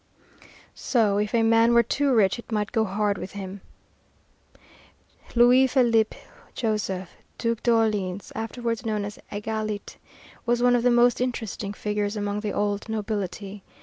So, if a man were too rich it might go hard with him. Louis Philippe Joseph, Duc d'Orleans, afterward known as Égalité, was one of the most interesting figures among the old nobility.